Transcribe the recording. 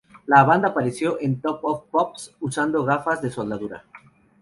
La banda apareció en "Top of the Pops" usando gafas de soldadura.